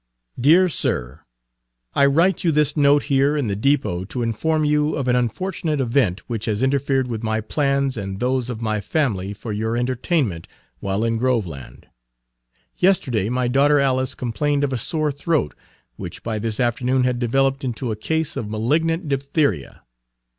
"DEAR SIR, I write you this note here in the depot to inform you of an unfortunate event which has interfered with my plans and those of my family for your entertainment Page 120 while in Groveland. Yesterday my daughter Alice complained of a sore throat, which by this afternoon had developed into a case of malignant diphtheria.